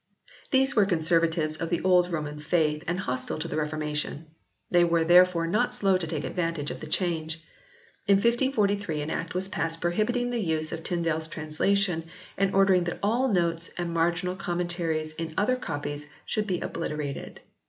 These were conservatives of the Old Roman faith and hostile to the Reformation. They were, therefore, not slow to take advantage of the change. In 1543 an Act was passed prohibiting the use of Tyndale s translation, and ordering that all notes and marginal commentaries in other copies should be obliterated.